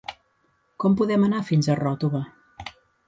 Com podem anar fins a Ròtova?